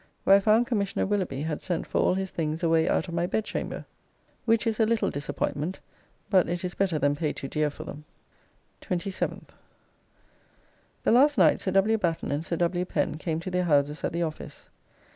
Where I found Commissioner Willoughby had sent for all his things away out of my bedchamber, which is a little disappointment, but it is better than pay too dear for them. 27th: The last night Sir W. Batten and Sir W. Pen came to their houses at the office.